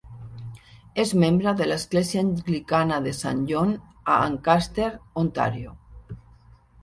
És membre de l'església anglicana de Saint John a Ancaster, Ontario.